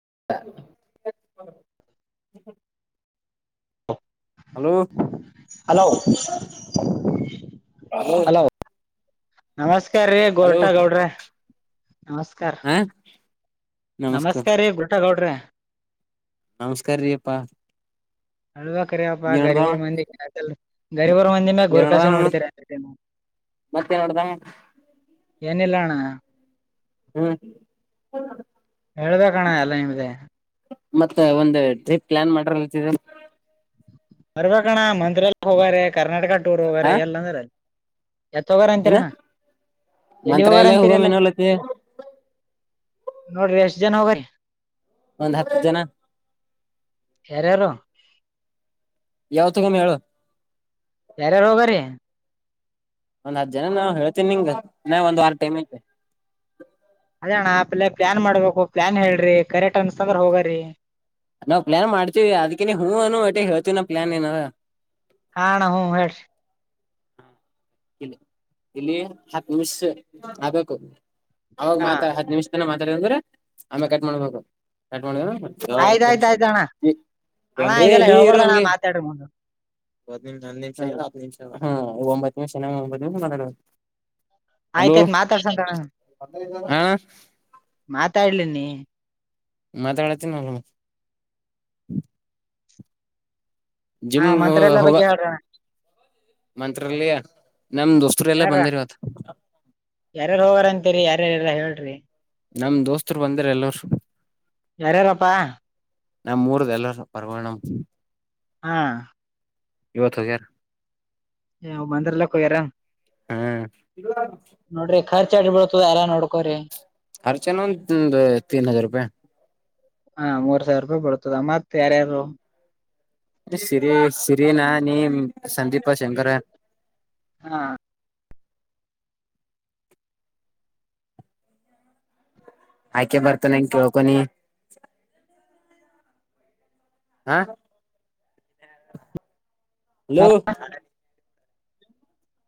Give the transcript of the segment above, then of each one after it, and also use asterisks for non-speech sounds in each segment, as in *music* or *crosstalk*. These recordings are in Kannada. *unintelligible* ಹಲೋ. ಹಲೋ. ಹಲೋ *inaudible* ನಮಸ್ಕಾರ ರೀ ಹಲೋ ಗೋರಟಾ ಗೌಡ್ರೆ. ನಮಸ್ಕಾರ ಹ ನಮಸ್ಕಾರ ರಿ ಗೋರಟಾ ಗೌಡ್ರ. ನಮಸ್ಕಾರ ರೀಪ್ಪಾ. ಹಳುವ ಕರಿಪ್ಪ ಗರಿಬ ಮಂದಿಲ್ಲ ಗರಿಬರ್ ಮಂದಿನ ಏನಡ್ದ ಗುರ್ಕಾಸೆ ನೋಡಿದೀರಾ. ಮತ್ತೆ ಏನಡ್ದ ಏನಿಲ್ಲಾ ಅಣ್ಣಾ. ಹ್ಮ್ ಹೇಳಬೇಕ ಕಣ ಎಲ್ಲ ನಿಮ್ದ. ಮತ್ತ ಒಂದು ಟ್ರಿಪ್ ಪ್ಲಾನ್ ಮಾಡ್ರತ ಬರ್ಬೇಕಣ್ಣ ಮಂತ್ರ ಎಲ್ಲ ಹೋಗಾರೆ ಕರ್ನಾಟಕ ಟೂರ್ ಹ ಹೋಗಾರಾರೆ ಎಲ್ಲಂದ್ರಲ್ಲಿ. ಎತ್ ಹೋಗಾರ ಏನ ಅಂತೀರಣ್ಣ ಎಲ್ಲಿ ಹೋಗಾರ ಮಂತ್ರಾಲಯ ಅಂತೀರಿ ಹೋಗಮ್ ಎಲ್ಲ. ಏನಲತಿ ನೋಡ್ರಿ ಎಷ್ಟ ಜನ ಹೋಗ್ರಿ. ಒಂದ್ ಹತ್ತು ಜನ. ಯಾರ್ಯಾರು. ಯಾವ ತಗುನು ಹೇಳು. ಯಾರ್ಯಾರು ಹೋಗರಿ. ಒಂದ್ ಹತ್ತ ಜನ ನಾವ ಹೇಳ್ತೇನಿ ನಿಂಗ ನಾ ಒಂದ್ ವಾರ ಟೈಮ ಐತೆ. ಅದೇಣ್ಣ ಆ ಪಲ್ಲೇ ಪ್ಲಾನ್ ಮಾಡ್ಬೇಕು ಪ್ಲಾನ್ ಹೇಳ್ರಿ ಕರೆಕ್ಟ್ ಅನ್ಸ್ತಂದ್ರ ಹೋಗ್ರಿ. ನಾವ ನಾವು ಪ್ಲ್ಲಾನ್ ಮಾಡ್ತೀವಿ ಅದಕಿನ ಹೂ ಅ ಒಟ್ಟೆ ಹೇಳ್ತೀವಿ ನಮ್ಮ ಪ್ಲ್ಲಾನ್ ಏನು. ಹಾ ಅಣ್ಣಾ ಹ್ ಹೇಳ್ರಿ. ಇಲ್ಲಿ ಇಲ್ಲಿ ಹತ್ತು ನಿಮಿಷ ಆಗ್ಬೇಕು. ಅವಾಗ ಹಾ ಮಾತಾ ಹದ ನಿಮಿಷ ತನ ಮಾತಾಡ ಅಂದ್ರೆ ಆಮೇ ಕಟ್ ಮಾಡ್ಬೇಕು ಕಟ್ ಮಾಡ ಆಯ್ತ್ ಆಯ್ತ್ ಆಯ್ತ್ ಅಣ್ಣ ಅಣ್ಣ ಇದೆಲ್ಲ ಹೇಳ್ಬಾರ್ದಣ್ಣ *unintelligible* ಮಾತಾಡ್ರಿ ಮುಂದ ನಿಮ ನಿಮಿಷ ನಿಮಷ ಹ ಒಂಬತ್ತು ನಿಮಿಷ ಒತ್ತು ನಿಮ. ಹಲೋ ಆಯ್ತಾಯ್ತ್ ಮಾತಾಡ್ಸಂತಣ ಹಾ. ಮಾತಾಡ್ಲಿನಿ ಮಾತಾಡಾತೇನಲಾ. *inaudible* ಹಾ ಜಿಮ್ ಮಂತ್ರಾಲಯ ಹೋಗ ಬಗ್ಗೆ ಹೇಳ್ರಣ. ಮಂತ್ರಾಲಯ ನಮ ದೋಸ್ತರೆ ಎಲ್ಲ ಹೇಳ್ರ ಬಂದಿರ್ವತ್. ಯಾರ್ಯಾರಲ್ಲಾ ಹೇಳ್ರಿ. ನಮ ದೋಸ್ತರು ಬಂದ್ರ ಎಲ್ಲರು. ಯಾರ್ಯಾರಪ್ಪಾ. ನಮ್ಮ್ ಮೂರುದೆ ಎಲ್ಲ ಪರ್ವಣ. ಹಾ. ಇವತ್ತ ಹೋಗ್ಯಾರ್. *unintelligible* ಹ್ಮ್ ಖರ್ಚ ಆಡ್ಬಿಡ್ತದ ಎಲ್ಲಾ ನೋಡ್ಕೋ್ರಿ. ಅರ್ಚನಾ ತೀನ್ ಹಜಾರ್ ರೂಪಾಯಿ. ಹಾ ಮೂರ್ ಸಾವಿರ ರೂಪಾಯಿ ಬರ್ತದ ಮತ್ ಯಾರ್ಯಾರು. ಸಿರಿ ಸಿರಿನಾ ನೀ ಸಂದೀಪ ಶಂಕರ. ಹಾ. ಆಕ್ಯಾ ಬರ್ತನಂಗ ಕೇಳ್ಕೊನಿ. ಹಾ. ಹಲೋ.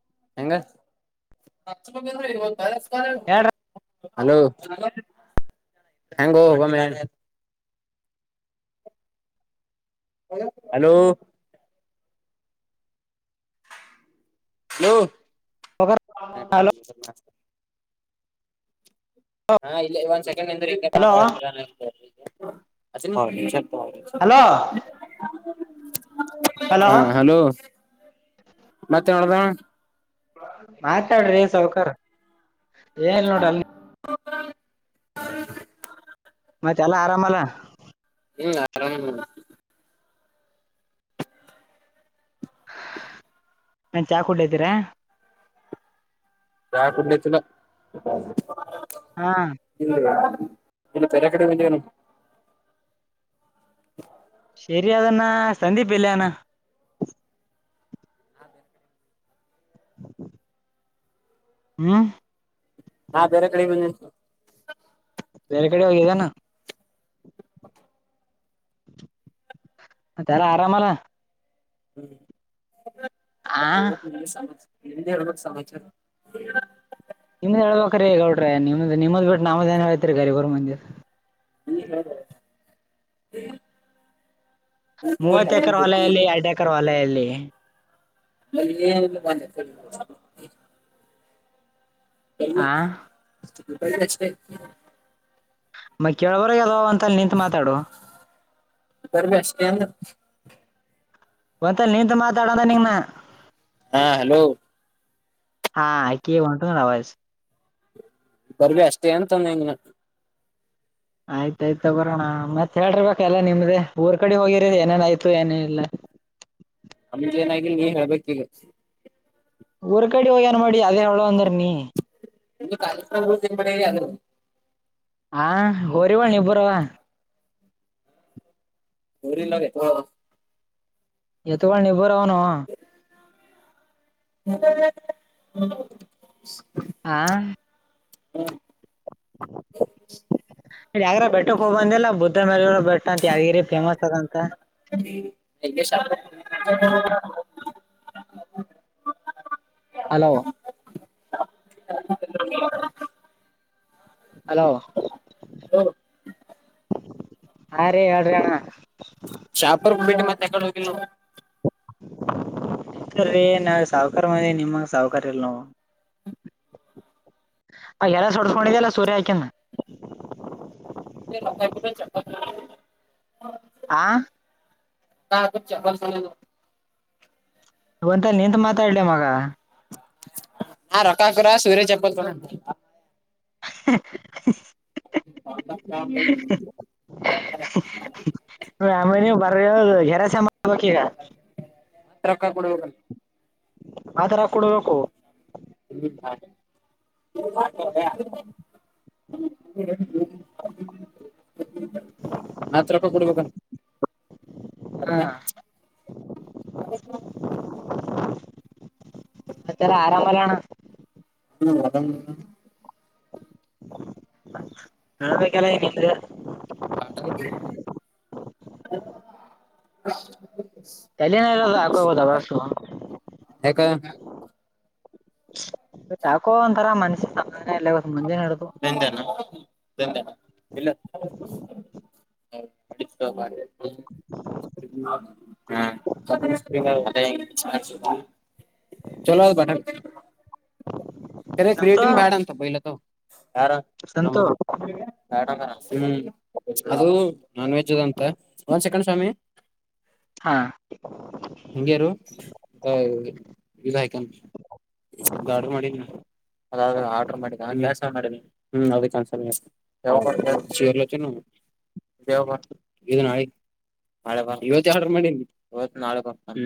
*inaudible* ಹೇಳ್ರ ಹಲೋ ಹೆಂಗೋ ಒಮ್ಮ. ಹಲೋ. ಹಲೋ. ಹಲೋ ಹಾ ಇಲ್ಲ ಒಂದ್ ಸೆಕೆಂಡ್ ಎಂದ್ರ ಹಲೋ ಮಾತಾಡ್ತೀರ ಹ ಹಲೋ ಹಾ ಹಲೋ ಮತ್ತೆ ಮಾಡದ ಮಾತಾಡ್ರಿ ಸೌಕರ್ ಏನ್ ನೋಡ್ರಲ್ ಹ ಮ ಚಲ ಆರಾಮಲ್ಲ ಹ್ಮ್ ಆರಾಮ ನಾನ್ ಚಾ ಕುಡ್ ಇದ್ದೀರಾ ಯಾ ಕುಂಡ ಚಲ ಹಾ ಇಲ್ಲ *unintelligible* ನಿ ಪೆರಕಡೆಂದನು ಸರಿಾದಣ್ಣ ಸಂದಿಪ್ ಇಲ್ಲಣ ಅದೇ ಹ್ಮ ನಾ ಬೇರೆ ಕಡೆ ಬಂದೇ ಮ ಕಡೆ ಹೋಗಗ ನ ತಲ್ಲ ಆರಾಮಲ್ಲ ಹ್ಮ್ ಆ ಎಲ್ಲ ಸಮ ನಿ ಎ ಸಮಾಚಾರ ೇಗೌ್ರ ನಿಮ್ಮ್ದ ನಿಮ್ಮ್ದ್ ಬಿಟ್ಟು ನದೇನ ಆಯತ್ರಿ ಗರಿ ಬ ಮಂದ ಹ್ಮ ಹ ಹ್ಮ ಮೂವತ್ ಎಕರ್ ವಲೆಯಲ್ಲಿ ಎರಡು ಎಕರ ವಲೆಯಲ್ಲಿ ಮ ಮ ಆ ಷ್ಟ ಮ ಕೇಳಬರಾಗ ಅದಾವ ಅಂತ ಅಲ್ಲಿ ನಿಂತು ಮಾತಾಡು ಬರ್ಮಷ್ಟನು ಒಂತ ನೀಂತ ಮಾತಾಡದನ ಹಾ ಹಲೋ ಹಾ ಯಕ ಬತು ಆವಾಜ ಬರ್ಬ ಅಷ್ಟೇ ಅಂತಂದಂಗ ಆಯ್ತಾಯಯ್ತ ತಗೋರೋಣ ಮತ್ತತ್ ಹೇಳರ್ಬೇಕ ಎಲ್ಲ ನಿಮ್ದೇ ಊರ್ ಕಡೆ ಹೋಗಿರ ಏನೇನ ಆಯ್ತು ಏನೇ ಇಲ್ಲಾ ಅಮಜ ಏನಾಗಿ ನೀ ಹೇಳ್ಬೇಕಿಗ ಊರ್ ಕಡೆ ಹೋಗ್ಯನ್ ಮಾಡಿ ಅದೇ ಹೇಳ ಅಂದ್ರ ನೀ ಒಂದು ಕ್ಯಕ್ರಡ ಅದು *unintelligible* ಹಾ ಹೋರಿಿವಳಿಬರವ ಗರಿಲ ಹ ಎತ ಬಳ ನಿರ್ಭರ ಹನು ಹ ಹಾ ಹ್ಮ ಇ ಯ್ರೆ ಬೆಟ್ಟಕ್ ಹೋಗ್ಬಂದಿಲ್ಲ ಬುದ್ದ ಮೇಲೆ ನಿಗೆ *unintelligible* ಅಲವಾ ಹ ಹಲೋ ಹ ರೀ ಎಡ್ರಣ ಶಾಪುರ್ಬಟ್ಟ ಮತ್ತೆ ಕಡೆ ಹೋಗಿಲ್ಲ ಇೀ ನಾವ ಸಾಾವಕಾರ ಮಾಡ ನಿಮಂಗ ಸಾಾವಕಾರಿ ಇಲ್ ನೋ ಅ ಎಲ್ಲ ಸಡ್ಸ್ಕೊಂಡಿದಲ್ಲ ಸೂರ್ಯ ಆಯಕ್ಯನ ಲಂಗಕರ ಚ *unintelligible* ಹಾ ಕಾು ಚ ಬ ಸ *unintelligible* ಹಂತ ನಿಂತು ಮಾತಾಡ್ಲ ಮಗ ಆ ರೊಕ್ಕಕುರ ಸೂರ್ಯ ಚಪ್ಪಲ್ಡ ಹ *unintelligible* ಸ *unintelligible* ಆಮೇನೀಗ ಬರ ಗೆರಸ ಮಾಡಬೇಕ ಈಗ. ರಕ್ಕಾ ಕೊಡಬೇಕ. ಆದರ ಕೊಡ್ಬೇಕು ಹ್ಮ್ ಹಾಗ *unintelligible* ಹ್ಮ *unintelligible* ನತ್ರಕ್ಕ *unintelligible* ಕೊಡ್ಬೇಕಂತ ಅ ಹ *unintelligible* ಮತ್ತರ *unintelligible* ಆರಾಮರ ಹ *unintelligible* ನಡ್ಬೇಕೆಲ್ಲ ಹೇಗಿದ್ರೆ ಹ *unintelligible* ಕಲ್ಲಿನರದ ಆಕದ ಬ ಯಾಕ *unintelligible* ಯಾಕೋ ಒಂತಥರ ಮನ್ ನಂದನಾ *unintelligible* ನಂದ ಇಲ್ಲ ನಡಸ್ತ ಬ *unintelligible* ಹ್ಮ *unintelligible* ಚಲೋ ಆದು ಬಟ ಸಂತು ರೇಟಿನ್ ಭ್ಯಾಡ ಅಂತ ಪಲ ಯಾರ ನಮ್ಮ ಸಂತು ಬ ಹ್ಮ ಅದು ನಾನ್ ವೆಜ್ ಅದ ಅಂತ ಒಂದ್ ಸೆಕೆಂಡ್ ಸ್ವಾಮಿ ಹಾ ಹಂಗೆ ಇರು ಇ ಆರ್ಡರ್ ಮಾಡಿದೀನಿ ಅ ಆರ್ಡರ್ ಮಾಡಿ ಹಸ ಮಾಡ ಹ್ಮ ಅದ ಕನ್ಸ ಚೀರ್ವು *unintelligible* ಇದ ನಳಿ *unintelligible* ನಾಳೆ ಇವ *unintelligible* ಆಡ ಮಾಡ ಇವತ್ತು ನಾಳೆ ಬ ಹ್ಮ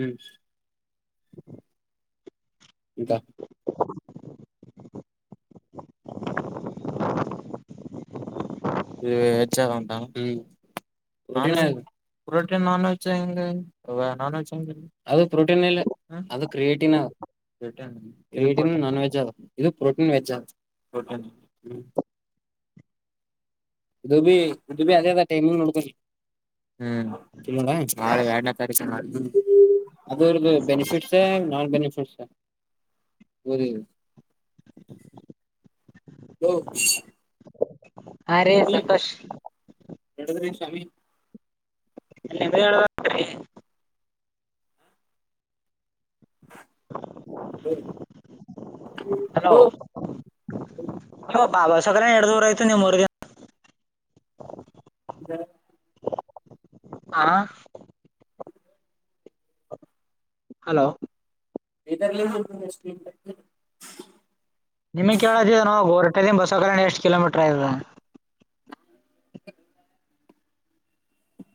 ಈಗ *unintelligible* ಇ ಹೆಂತ್ಮ ನ *unintelligible* protein non veg non veg ಅದು ಪ್ರೋಟೀನ್ ಇ ಅದು ಕ್ರಿಯೇಟ ನಾನ್ ವೆಜ್ ಇದು ಪ್ರೋಟೀನ್ ವೆಜ್ ಪ್ರೋಟೀನ್ ಇದು ಬಿಿ ಇದು ಬಿಿ ಅದೇ ಅ ಟೈಮಿಂಗ್ ನಡ್ಕ ಹ್ಮ್ ನಾಳೆ ಎರಡ್ನೇ ತಾರೀಕು ಅದ್ರದ್ದ ಬೆನಿಫಿಟ್ಸ ನಾನ್ ಬೆನಿಫಿಟ್ಸ *inaudible* ಫೇರಿನ ಹ್ಮ್ ಹ *unintelligible* ಹಾ ರೇ ಸಂತೋಷ್ ಎಡುಗರಿ *unintelligible* ಶಾಮಿ ನೀವೆ ಹೇಳಬೇಕ್ರಿ ಹಲೋ ಹಲೋ ಬಾಬಾ ಸಗರ ಎಷ್ಟ ದೂರ ಆಯ್ತು ನಿ ಮೂರಗಿನ *inaudible* ಹಾ ಹಲೋ ಇದರ್ಲ್ಲಿ ಹಷ್ಟ ನಿಮಗ್ ಕೇಳೋದಏನೋ ಹೊರಟದಿಂದ ಬಸವಕಲ್ಯಾಣ ಎಷ್ಟು ಕಿಲೋಮೀಟರ್ ಆದ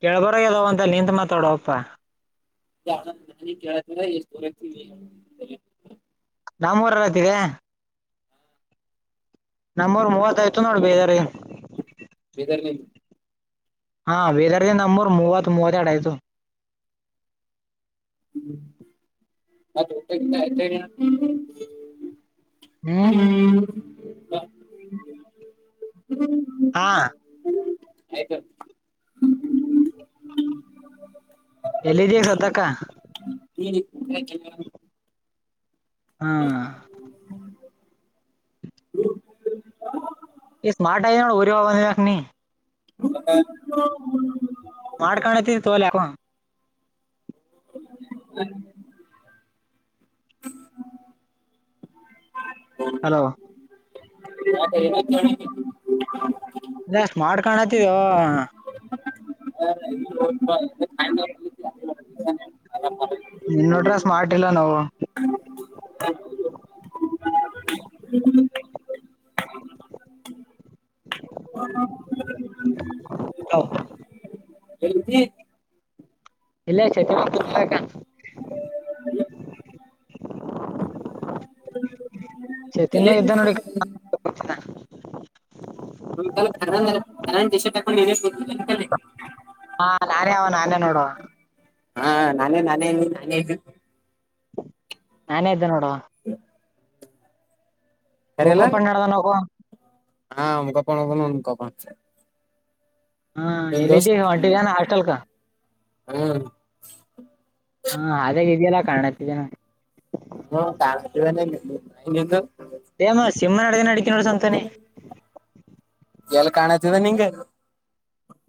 ಕೆೇಬರಾಗ ಅದಾವ ಅಂತ ನಿಂದ ಮಾತಾಡುವಪ್ಪಾ ಕತ ಎಷ್ಟ ತರವಿ ನಾಮ್ಮೂರ್ ಐತಿದೆ ನಮ್ಮೂರ್ ಮೂವತ್ತ ಆಯ್ತು ನೋಡ್ಬ ಇದೀ ಬೀದರ್ ನೀ ಹಾ ವೇದಾರ್ಥಿ ನಂಬರ್ ಮೂವತ್ತು ಮೂವತ್ತ ಎರಡು ಐತು ಮತ್ತೆ ಆಯ್ ಹ್ಮ್ ಹ್ಮ್ ಹಾ ಆಯ್ತು ಎಲ್ಲಿದಿ ಈಗ ಸದ್ದಕ್ಕ ಹ ಹ್ಮ್ ಹ ಈಗ ಸ್ಮಾರ್ಟ ಆಗೇನ ಊರಿಗೆ ಹೋಗ ಬಂದಕ್ಷಿನೇ *inaudible* ಮಾಡ್ಕಾಣತಿ ತೋಲೆ ಅಕು ಹ *inaudible* ಹಲೋ *inaudible* ಅ ಸ್ಮಾರ್ಟ್ ಕಾಣ ಕತಿಯೋ *inaudible* ನೀನ್ ನೋಡ್ರ ಸ್ಮಾರ್ಟ್ ಇಲ್ಲ ನಾವು *inaudible* ಹ ಎಲ್ಲಿದಿ ಇಲ್ಲ ಚೈತನ್ಯ ಸ್ಕೂಲ್ ಹತ್ತಿರ ಚೇತಮೆ ಮಾಗ ಇದ್ದ ನೋಡಿ ಹಲ್ಲರ ಕರನ್ದ ಟಿ ಶರ್ಟ ಹಾ ನಾನೇ ಅವ ನಾನೇ ನೋಡುವ ಹಾ ನಾನೇ ನಾನೇ ನಾನೇ ನಾನೇ ಇದ್ದೆ ನೋಡುವ ಕರೆಯಲ್ಲ ನಕೋಪ್ಪ ನದ ನಕೋ ಹಾ ಅಮಕಪೋಗ ಅಮಕಪ ಹಾ ಎಲ್ಲಿದ್ದೀ ಒಂಟಿಗಾನ ಹಾಸ್ಟೆಲ್ಕ ಹ್ಮ್ ಹಾ ಹಾಗಾಗ ಇದೆಯಲ್ಲ ಕಾಣತಿದ್ದನ ಹ ಕಾಣನ ನ ನಿಂತು ಮ್ಮ ಸಿಂಹ ನ ಅಡಗ ಅಡಿಕ ನೋಡ ಸಂತಾನೇ ಎಲ್ ಕಾಣತಿದೆ ನಿಂಗೆ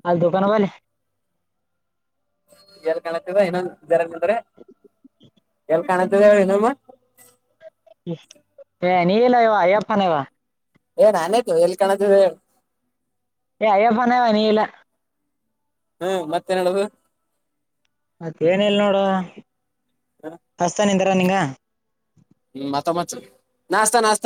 ಅಲ್ಲಿ ದದುಕಾನ ಮಲೆೆ ಎಲ್ ಕಾಣತಿವ ಏನಂಗ ಬೇರೆಂಗಂದ್ರೆ ಎಲ್ ಕಾಣತದೆ ಹೇಳಿ ನಮ್ಮ ಹ ನೀ ಎಲ್ಲ ಇ ಅಯಪ್ಪನ್ವಾ ಏ ನಾನಾಯ್ತು ಎಲ್ ಕಾಣತಿದೆ ಯ್ಯಪ್ಪಾನ ವನಲ್ಲ ಹ್ಮ ಮತ್ತೇನ ಹೇಳುದು ಮತ್ತ ಏನಲ್ ನೋಡ ಹಸ್ತಾನಿಂದಾರ ನಿಂಗ ಹ್ಮ್ ಮತ್ತೊಮ್ಮತ್ ನಾಸ್ತಾ ನಾಸ್ತಾ